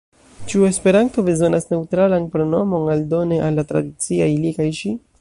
Ĉu Esperanto bezonas neŭtralan pronomon, aldone al la tradiciaj li kaj ŝi?